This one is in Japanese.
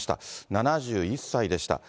７１歳でした。